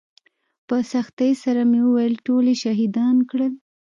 په سختۍ سره مې وويل ټول يې شهيدان کړل.